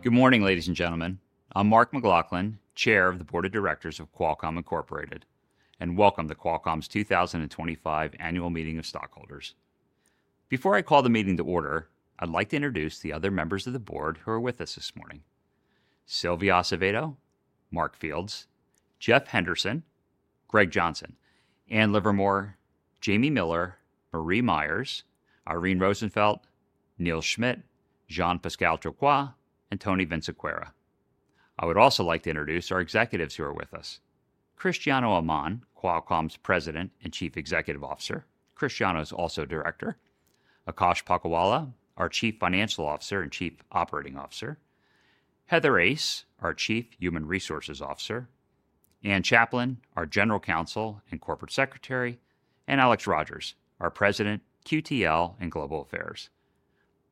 Good morning, ladies and gentlemen. I'm Mark McLaughlin, Chair of the Board of Directors of Qualcomm, and welcome to Qualcomm's 2025 Annual Meeting of Stockholders. Before I call the meeting to order, I'd like to introduce the other members of the board who are with us this morning: Sylvia Acevedo, Mark Fields, Jeff Henderson, Greg Johnson, Anne Livermore, Jamie Miller, Marie Myers, Irene Rosenfeld, Neil Smit, Jean-Pascal Tricoire, and Tony Vinciquerra. I would also like to introduce our executives who are with us: Cristiano Amon, Qualcomm's President and Chief Executive Officer. Cristiano is also Director. Akash Palkhiwala, our Chief Financial Officer and Chief Operating Officer. Heather Ace, our Chief Human Resources Officer. Anne Chaplin, our General Counsel and Corporate Secretary. Alex Rogers, our President, QTL and Global Affairs.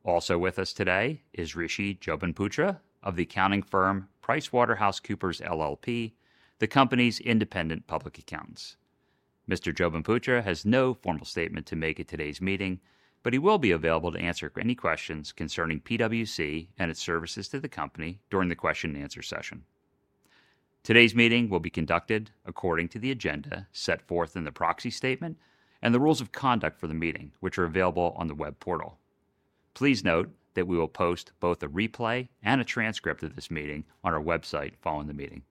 Also with us today is Rishi Jobanputra of the accounting firm PricewaterhouseCoopers LLP, the company's independent public accountants. Mr. Jobanputra has no formal statement to make at today's meeting, but he will be available to answer any questions concerning PwC and its services to the company during the question-and-answer session. Today's meeting will be conducted according to the agenda set forth in the proxy statement and the rules of conduct for the meeting, which are available on the web portal. Please note that we will post both a replay and a transcript of this meeting on our website following the meeting.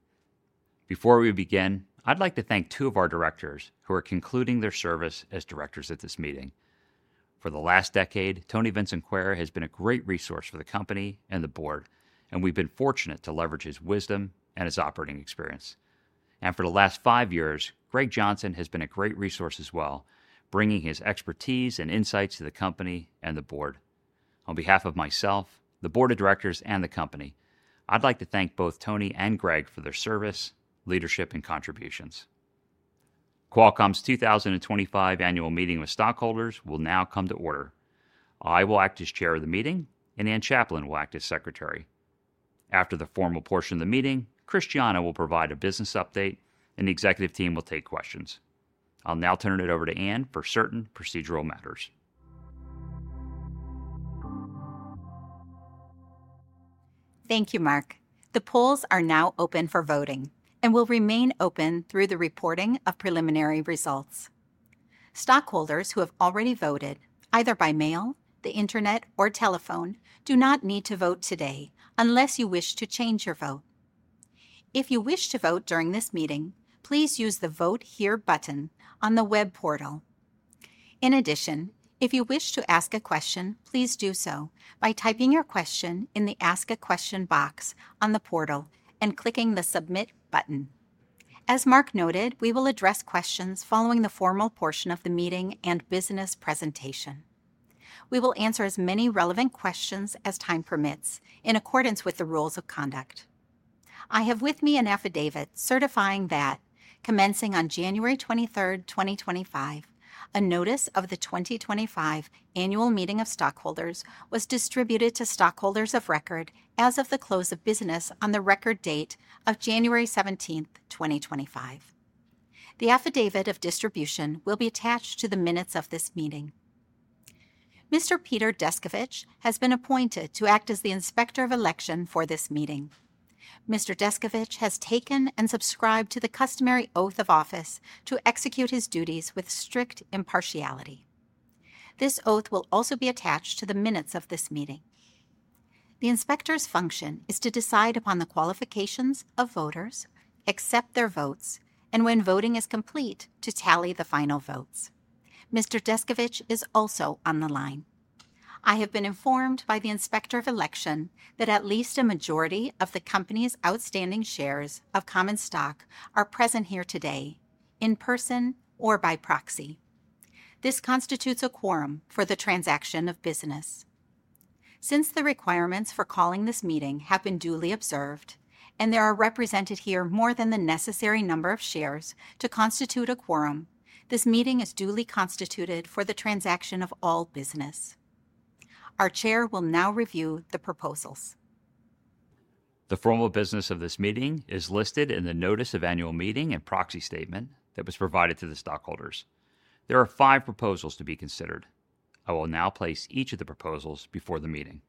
Before we begin, I'd like to thank two of our directors who are concluding their service as directors at this meeting. For the last decade, Tony Vinciquerra has been a great resource for the company and the board, and we've been fortunate to leverage his wisdom and his operating experience. For the last five years, Greg Johnson has been a great resource as well, bringing his expertise and insights to the company and the board. On behalf of myself, the board of directors, and the company, I'd like to thank both Tony and Greg for their service, leadership, and contributions. Qualcomm's 2025 Annual Meeting of Stockholders will now come to order. I will act as Chair of the meeting, and Anne Chaplin will act as Secretary. After the formal portion of the meeting, Cristiano will provide a business update, and the executive team will take questions. I'll now turn it over to Anne for certain procedural matters. Thank you, Mark. The polls are now open for voting and will remain open through the reporting of preliminary results. Stockholders who have already voted, either by mail, the internet, or telephone, do not need to vote today unless you wish to change your vote. If you wish to vote during this meeting, please use the Vote Here button on the web portal. In addition, if you wish to ask a question, please do so by typing your question in the Ask a Question box on the portal and clicking the Submit button. As Mark noted, we will address questions following the formal portion of the meeting and business presentation. We will answer as many relevant questions as time permits in accordance with the rules of conduct. I have with me an affidavit certifying that, commencing on January 23rd, 2025, a notice of the 2025 Annual Meeting of Stockholders was distributed to stockholders of record as of the close of business on the record date of January 17th, 2025. The affidavit of distribution will be attached to the minutes of this meeting. Mr. Peter Descovich has been appointed to act as the Inspector of Election for this meeting. Mr. Descovich has taken and subscribed to the customary oath of office to execute his duties with strict impartiality. This oath will also be attached to the minutes of this meeting. The inspector's function is to decide upon the qualifications of voters, accept their votes, and when voting is complete, to tally the final votes. Mr. Descovich is also on the line. I have been informed by the Inspector of Election that at least a majority of the company's outstanding shares of common stock are present here today, in person or by proxy. This constitutes a quorum for the transaction of business. Since the requirements for calling this meeting have been duly observed and there are represented here more than the necessary number of shares to constitute a quorum, this meeting is duly constituted for the transaction of all business. Our Chair will now review the proposals. The formal business of this meeting is listed in the Notice of Annual Meeting and Proxy Statement that was provided to the stockholders. There are five proposals to be considered. I will now place each of the proposals before the meeting.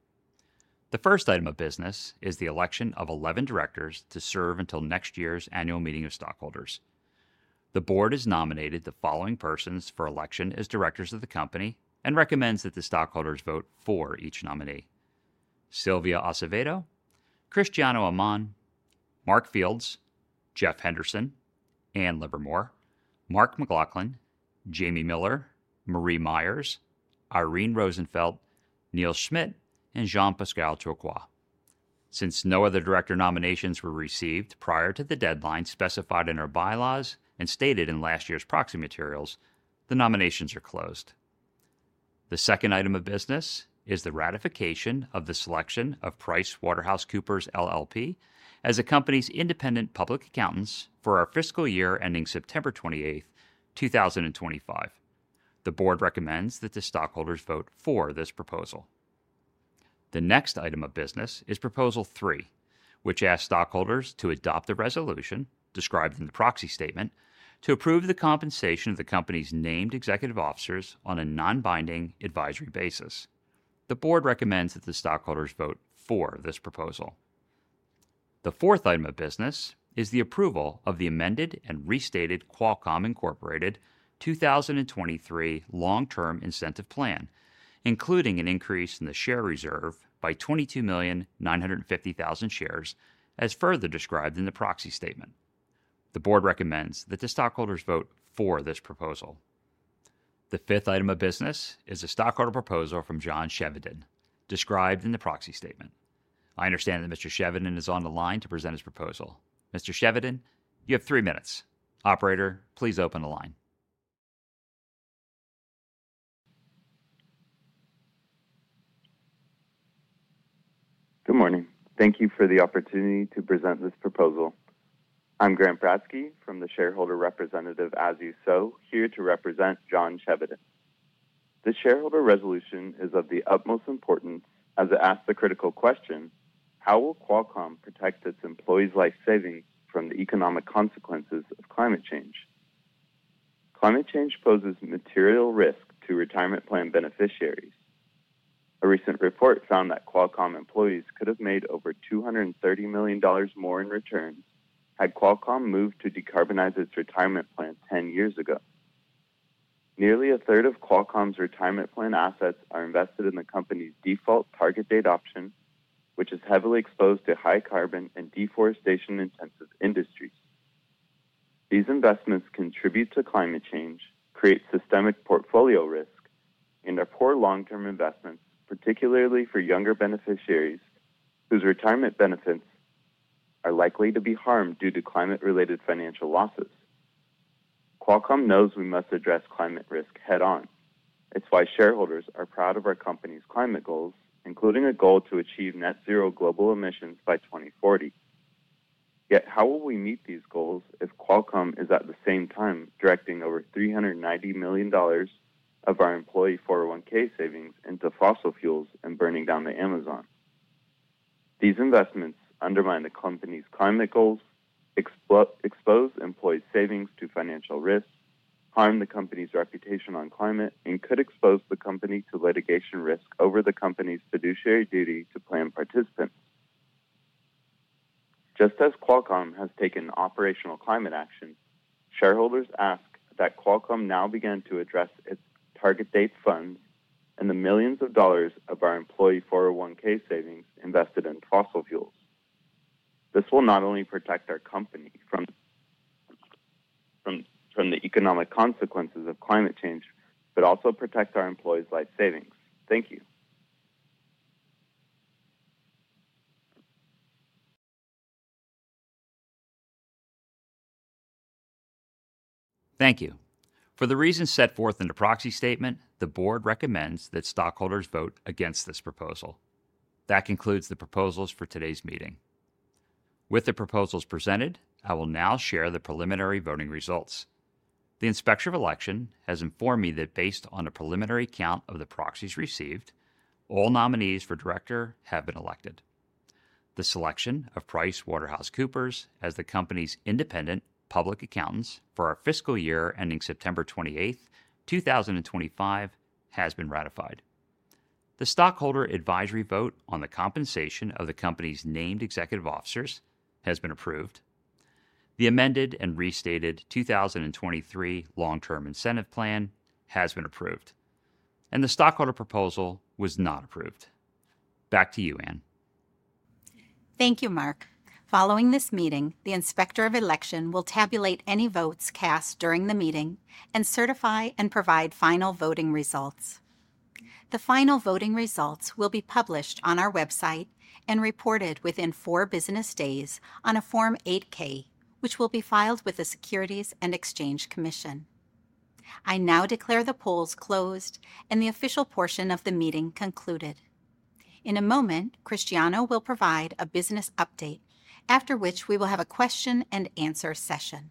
The first item of business is the election of 11 directors to serve until next year's Annual Meeting of Stockholders. The board has nominated the following persons for election as directors of the company and recommends that the stockholders vote for each nominee: Sylvia Acevedo, Cristiano Amon, Mark Fields, Jeff Henderson, Anne Livermore, Mark McLaughlin, Jamie Miller, Marie Myers, Irene Rosenfeld, Neil Smit, and Jean-Pascal Tricoire. Since no other director nominations were received prior to the deadline specified in our bylaws and stated in last year's proxy materials, the nominations are closed. The second item of business is the ratification of the selection of PricewaterhouseCoopers LLP as the company's independent public accountants for our fiscal year ending September 28, 2025. The board recommends that the stockholders vote for this proposal. The next item of business is Proposal Three, which asks stockholders to adopt the resolution described in the proxy statement to approve the compensation of the company's named executive officers on a non-binding advisory basis. The board recommends that the stockholders vote for this proposal. The fourth item of business is the approval of the amended and restated Qualcomm 2023 Long-Term Incentive Plan, including an increase in the share reserve by 22,950,000 shares, as further described in the proxy statement. The board recommends that the stockholders vote for this proposal. The fifth item of business is a stockholder proposal from John Chevedden described in the proxy statement. I understand that Mr. Shevardin is on the line to present his proposal. Mr. Shevardin, you have three minutes. Operator, please open the line. Good morning. Thank you for the opportunity to present this proposal. I'm Grant Brodsky from the shareholder representative As You Sow, here to represent John Shevardin. This shareholder resolution is of the utmost importance as it asks the critical question, how will Qualcomm protect its employees' life savings from the economic consequences of climate change? Climate change poses material risk to retirement plan beneficiaries. A recent report found that Qualcomm employees could have made over $230 million more in return had Qualcomm moved to decarbonize its retirement plan 10 years ago. Nearly a third of Qualcomm's retirement plan assets are invested in the company's default target date option, which is heavily exposed to high carbon and deforestation-intensive industries. These investments contribute to climate change, create systemic portfolio risk, and are poor long-term investments, particularly for younger beneficiaries whose retirement benefits are likely to be harmed due to climate-related financial losses. Qualcomm knows we must address climate risk head-on. It's why shareholders are proud of our company's climate goals, including a goal to achieve net zero global emissions by 2040. Yet, how will we meet these goals if Qualcomm is at the same time directing over $390 million of our employee 401(k) savings into fossil fuels and burning down the Amazon? These investments undermine the company's climate goals, expose employee savings to financial risk, harm the company's reputation on climate, and could expose the company to litigation risk over the company's fiduciary duty to plan participants. Just as Qualcomm has taken operational climate action, shareholders ask that Qualcomm now begin to address its target date fund and the millions of dollars of our employee 401(k) savings invested in fossil fuels. This will not only protect our company from the economic consequences of climate change, but also protect our employees' life savings. Thank you. Thank you. For the reasons set forth in the proxy statement, the board recommends that stockholders vote against this proposal. That concludes the proposals for today's meeting. With the proposals presented, I will now share the preliminary voting results. The Inspector of Election has informed me that based on a preliminary count of the proxies received, all nominees for director have been elected. The selection of PricewaterhouseCoopers as the company's independent public accountants for our fiscal year ending September 28, 2025, has been ratified. The stockholder advisory vote on the compensation of the company's named executive officers has been approved. The amended and restated 2023 Long-Term Incentive Plan has been approved. The stockholder proposal was not approved. Back to you, Anne. Thank you, Mark. Following this meeting, the Inspector of Election will tabulate any votes cast during the meeting and certify and provide final voting results. The final voting results will be published on our website and reported within four business days on a Form 8-K, which will be filed with the Securities and Exchange Commission. I now declare the polls closed and the official portion of the meeting concluded. In a moment, Cristiano will provide a business update, after which we will have a question-and-answer session.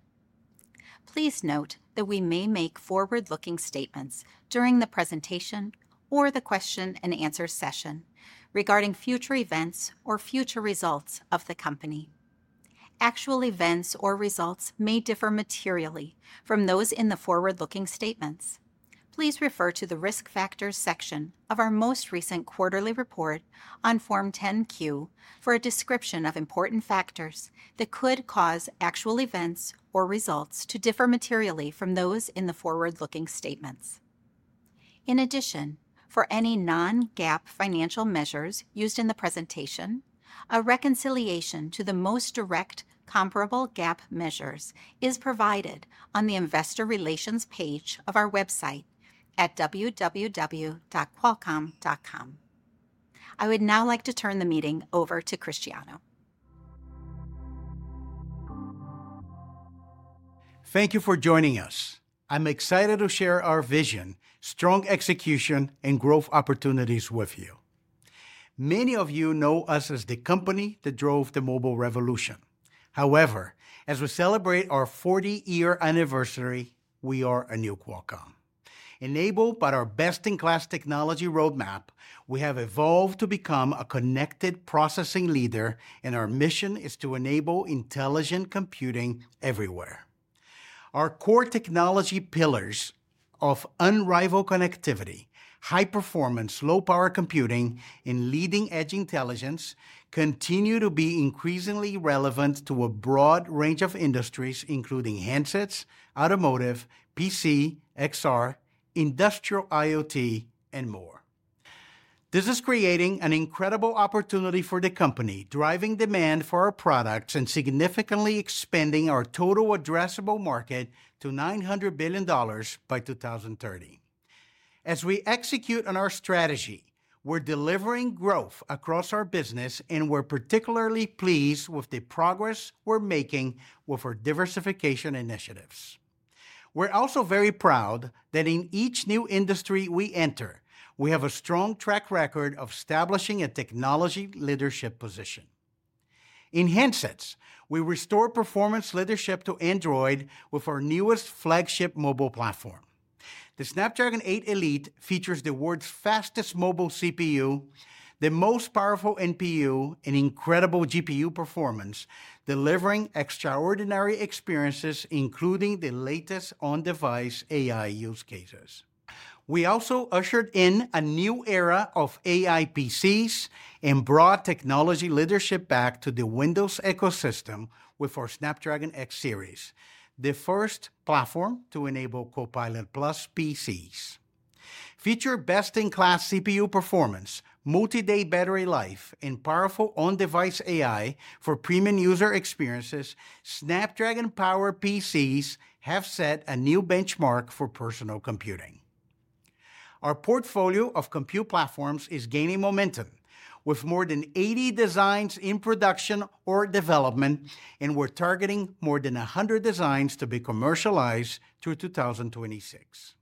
Please note that we may make forward-looking statements during the presentation or the question-and-answer session regarding future events or future results of the company. Actual events or results may differ materially from those in the forward-looking statements. Please refer to the risk factors section of our most recent quarterly report on Form 10-Q for a description of important factors that could cause actual events or results to differ materially from those in the forward-looking statements. In addition, for any non-GAAP financial measures used in the presentation, a reconciliation to the most direct comparable GAAP measures is provided on the Investor Relations page of our website at www.qualcomm.com. I would now like to turn the meeting over to Cristiano. Thank you for joining us. I'm excited to share our vision, strong execution, and growth opportunities with you. Many of you know us as the company that drove the mobile revolution. However, as we celebrate our 40-year anniversary, we are a new Qualcomm. Enabled by our best-in-class technology roadmap, we have evolved to become a connected processing leader, and our mission is to enable intelligent computing everywhere. Our core technology pillars of unrivaled connectivity, high-performance, low-power computing, and leading-edge intelligence continue to be increasingly relevant to a broad range of industries, including handsets, automotive, PC, XR, industrial IoT, and more. This is creating an incredible opportunity for the company, driving demand for our products and significantly expanding our total addressable market to $900 billion by 2030. As we execute on our strategy, we're delivering growth across our business, and we're particularly pleased with the progress we're making with our diversification initiatives. We're also very proud that in each new industry we enter, we have a strong track record of establishing a technology leadership position. In handsets, we restore performance leadership to Android with our newest flagship mobile platform. The Snapdragon 8 Elite features the world's fastest mobile CPU, the most powerful NPU, and incredible GPU performance, delivering extraordinary experiences, including the latest on-device AI use cases. We also ushered in a new era of AI PCs and brought technology leadership back to the Windows ecosystem with our Snapdragon X series, the first platform to enable Copilot+ PCs. Featuring best-in-class CPU performance, multi-day battery life, and powerful on-device AI for premium user experiences, Snapdragon-powered PCs have set a new benchmark for personal computing. Our portfolio of compute platforms is gaining momentum, with more than 80 designs in production or development, and we're targeting more than 100 designs to be commercialized through 2026.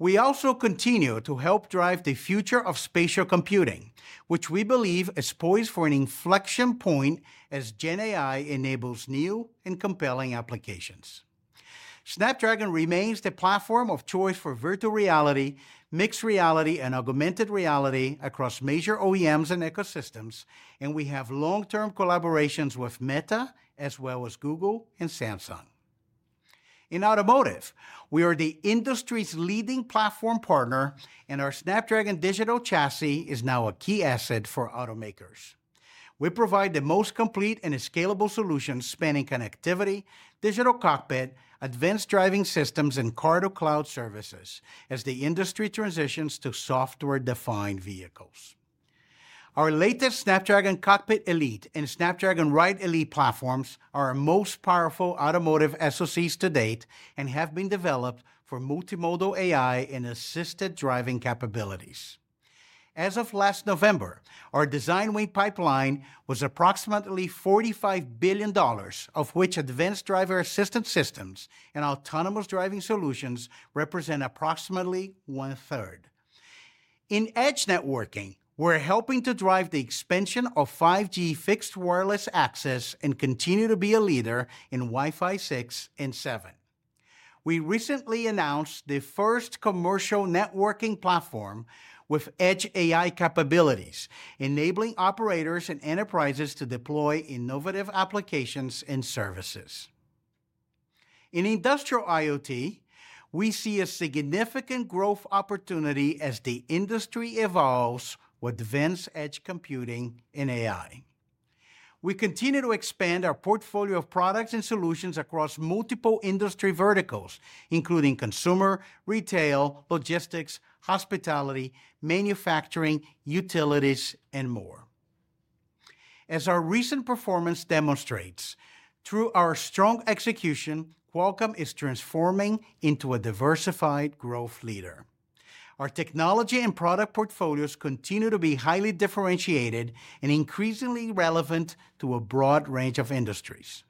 We also continue to help drive the future of spatial computing, which we believe is poised for an inflection point as GenAI enables new and compelling applications. Snapdragon remains the platform of choice for virtual reality, mixed reality, and augmented reality across major OEMs and ecosystems, and we have long-term collaborations with Meta as well as Google and Samsung. In automotive, we are the industry's leading platform partner, and our Snapdragon Digital Chassis is now a key asset for automakers. We provide the most complete and scalable solutions spanning connectivity, digital cockpit, advanced driving systems, and car-to-cloud services as the industry transitions to software-defined vehicles. Our latest Snapdragon Cockpit Elite and Snapdragon Ride Elite platforms are our most powerful automotive SoCs to date and have been developed for multimodal AI and assisted driving capabilities. As of last November, our design win pipeline was approximately $45 billion, of which advanced driver assistance systems and autonomous driving solutions represent approximately one-third. In edge networking, we're helping to drive the expansion of 5G fixed wireless access and continue to be a leader in Wi-Fi 6 and 7. We recently announced the first commercial networking platform with edge AI capabilities, enabling operators and enterprises to deploy innovative applications and services. In industrial IoT, we see a significant growth opportunity as the industry evolves with advanced edge computing and AI. We continue to expand our portfolio of products and solutions across multiple industry verticals, including consumer, retail, logistics, hospitality, manufacturing, utilities, and more. As our recent performance demonstrates, through our strong execution, Qualcomm is transforming into a diversified growth leader. Our technology and product portfolios continue to be highly differentiated and increasingly relevant to a broad range of industries.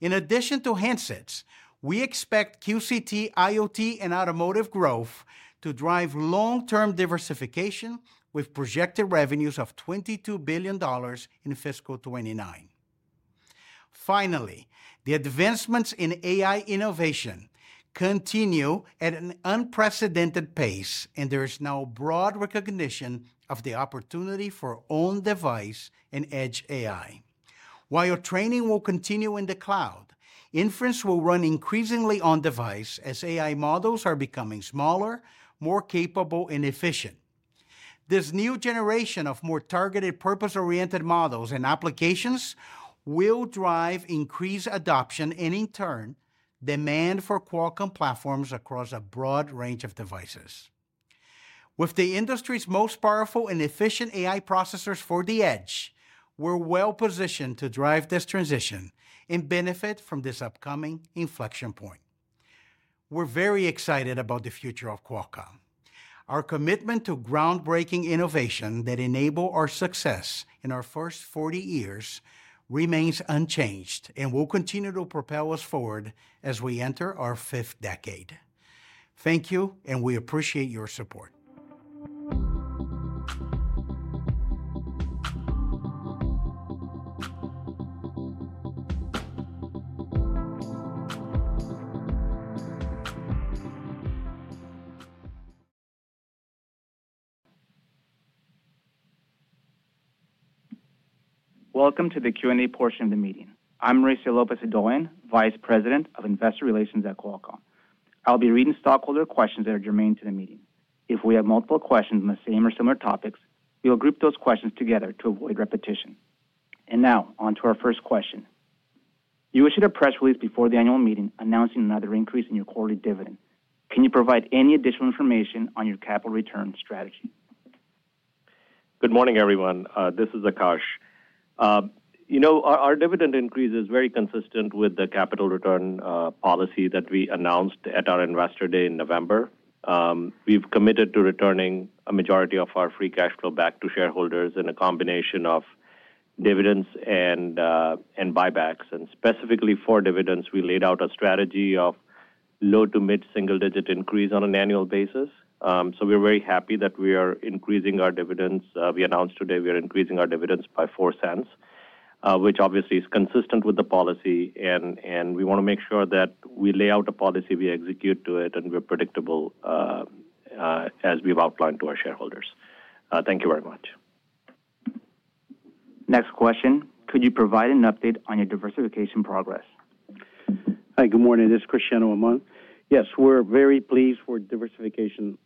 In addition to handsets, we expect QCT, IoT, and automotive growth to drive long-term diversification with projected revenues of $22 billion in fiscal 2029. Finally, the advancements in AI innovation continue at an unprecedented pace, and there is now broad recognition of the opportunity for on-device and edge AI. While training will continue in the cloud, inference will run increasingly on-device as AI models are becoming smaller, more capable, and efficient. This new generation of more targeted, purpose-oriented models and applications will drive increased adoption and, in turn, demand for Qualcomm platforms across a broad range of devices. With the industry's most powerful and efficient AI processors for the edge, we're well-positioned to drive this transition and benefit from this upcoming inflection point. We're very excited about the future of Qualcomm. Our commitment to groundbreaking innovation that enables our success in our first 40 years remains unchanged and will continue to propel us forward as we enter our fifth decade. Thank you, and we appreciate your support. Welcome to the Q&A portion of the meeting. I'm Mauricio Lopez-Hodoyan, Vice President of Investor Relations at Qualcomm. I'll be reading stockholder questions that are germane to the meeting. If we have multiple questions on the same or similar topics, we will group those questions together to avoid repetition. Now, on to our first question. You issued a press release before the annual meeting announcing another increase in your quarterly dividend. Can you provide any additional information on your capital return strategy? Good morning, everyone. This is Akash. You know, our dividend increase is very consistent with the capital return policy that we announced at our investor day in November. We've committed to returning a majority of our free cash flow back to shareholders in a combination of dividends and buybacks. Specifically for dividends, we laid out a strategy of low to mid-single-digit increase on an annual basis. We are very happy that we are increasing our dividends. We announced today we are increasing our dividends by $0.04, which obviously is consistent with the policy. We want to make sure that we lay out a policy, we execute to it, and we're predictable as we've outlined to our shareholders. Thank you very much. Next question. Could you provide an update on your diversification progress? Hi, good morning. This is Cristiano Amon. Yes, we're very pleased with diversification progress.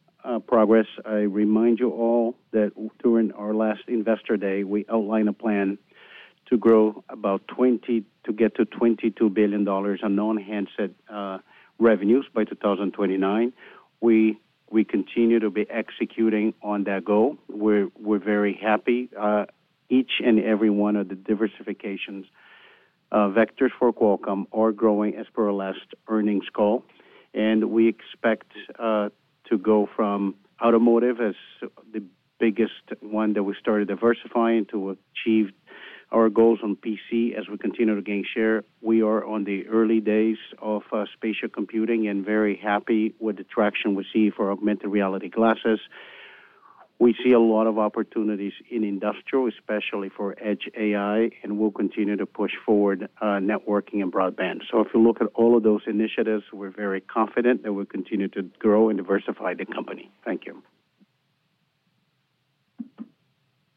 I remind you all that during our last investor day, we outlined a plan to grow about $20 billion to get to $22 billion in non-handset revenues by 2029. We continue to be executing on that goal. We're very happy each and every one of the diversification vectors for Qualcomm are growing as per our last earnings call. We expect to go from automotive as the biggest one that we started diversifying to achieve our goals on PC as we continue to gain share. We are on the early days of spatial computing and very happy with the traction we see for augmented reality glasses. We see a lot of opportunities in industrial, especially for edge AI, and we'll continue to push forward networking and broadband. If you look at all of those initiatives, we're very confident that we'll continue to grow and diversify the company. Thank you.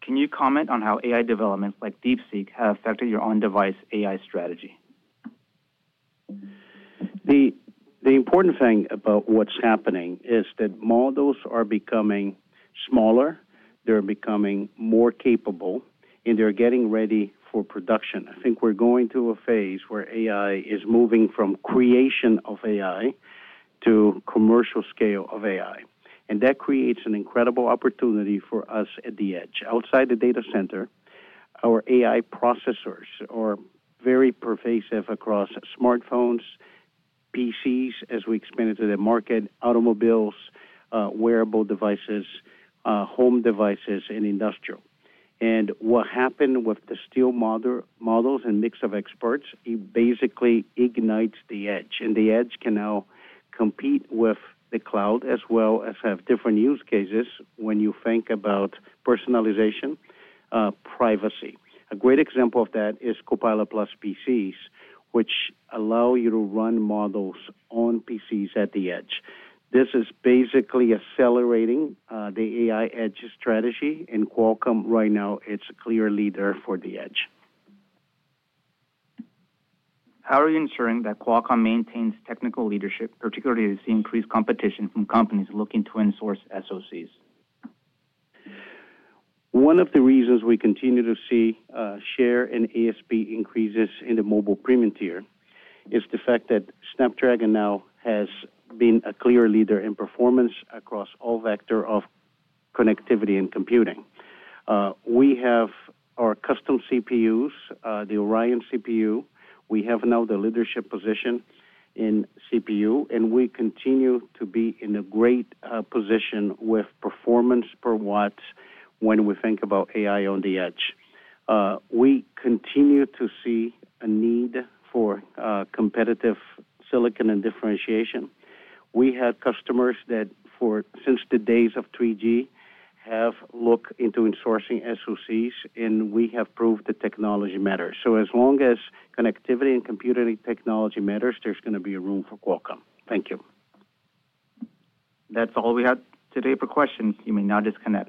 Can you comment on how AI developments like DeepSeek have affected your on-device AI strategy? The important thing about what's happening is that models are becoming smaller, they're becoming more capable, and they're getting ready for production. I think we're going through a phase where AI is moving from creation of AI to commercial scale of AI. That creates an incredible opportunity for us at the edge. Outside the data center, our AI processors are very pervasive across smartphones, PCs, as we expanded to the market, automobiles, wearable devices, home devices, and industrial. What happened with the distilled models and mix of experts, it basically ignites the edge. The edge can now compete with the cloud as well as have different use cases when you think about personalization, privacy. A great example of that is Copilot+ PCs, which allow you to run models on PCs at the edge. This is basically accelerating the AI edge strategy, and Qualcomm right now, it's a clear leader for the edge. How are you ensuring that Qualcomm maintains technical leadership, particularly as the increased competition from companies looking to insource SoCs? One of the reasons we continue to see share and ASP increases in the mobile premium tier is the fact that Snapdragon now has been a clear leader in performance across all vectors of connectivity and computing. We have our custom CPUs, the Oryon CPU. We have now the leadership position in CPU, and we continue to be in a great position with performance per watt when we think about AI on the edge. We continue to see a need for competitive silicon and differentiation. We have customers that, since the days of 3G, have looked into insourcing SoCs, and we have proved the technology matters. As long as connectivity and computing technology matters, there's going to be room for Qualcomm. Thank you. That's all we had today for questions. You may now disconnect.